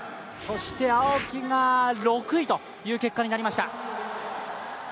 青木が６位という結果になりました。